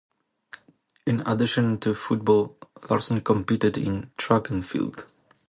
In addition to football, Larson competed in track and field.